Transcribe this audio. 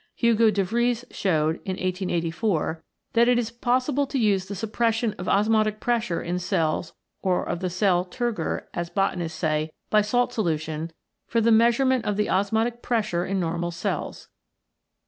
Hugo De Vries showed, in 1884, that it is possible to use the suppression of osmotic pressure in cells or of the Cell Turgor, as botanists say, by salt solution, for the measurement of the osmotic pressure in normal cells.